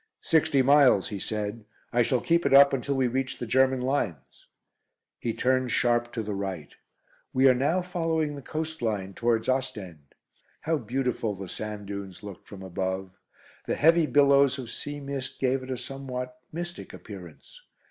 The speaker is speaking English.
"Sixty miles," he said. "I shall keep it up until we reach the German lines." He turned sharp to the right. We are now following the coast line towards Ostend. How beautiful the sand dunes looked from above. The heavy billows of sea mist gave it a somewhat mystic appearance.